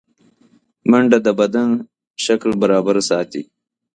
منډه د بدن شکل برابر ساتي